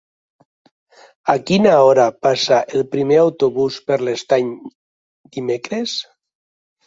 A quina hora passa el primer autobús per l'Estany dimecres?